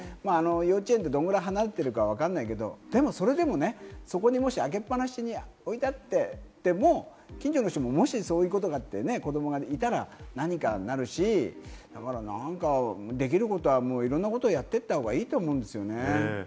幼稚園ってどのくらい離れてるかわからないけど、でもそれでもそこにもし開けっぱなしに置いてあっても、近所の人ももしそういうことがあって子供がいたら何かになるし、できることはいろんなことをやっていったほうがいいと思うんですよね。